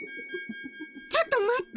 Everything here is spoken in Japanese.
ちょっと待って。